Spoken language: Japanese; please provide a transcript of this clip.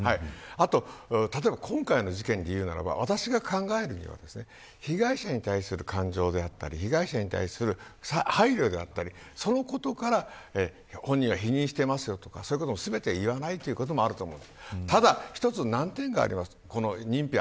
あと、例えば今回の事件でいうならば私が考えるには被害者に対する感情であったり配慮だったりそのことから本人が否認していますよとかそういうことも全て言わないっていうこともあると思う。